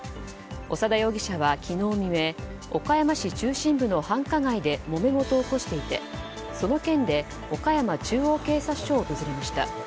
長田容疑者は昨日未明岡山市中心部の繁華街でもめ事を起こしていてその件で岡山中央警察署を訪れました。